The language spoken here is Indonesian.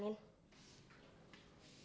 mas ini dokumennya